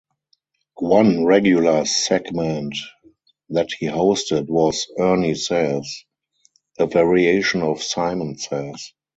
One regular segment that he hosted was "Ernie Says", a variation of "Simon Says".